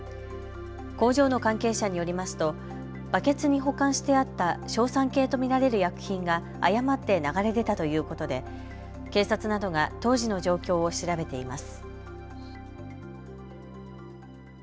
工場の関係者によりますとバケツに保管してあった硝酸系と見られる薬品が誤って流れ出たということで警察などが当時の状況を調べています。